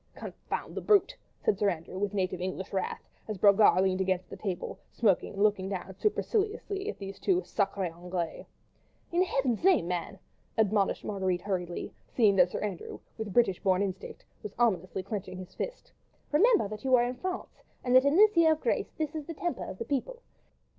"Confound the brute!" said Sir Andrew, with native British wrath, as Brogard leant up against the table, smoking and looking down superciliously at these two sacrrrés Anglais. "In Heaven's name, man," admonished Marguerite, hurriedly, seeing that Sir Andrew, with British born instinct, was ominously clenching his fist, "remember that you are in France, and that in this year of grace this is the temper of the people."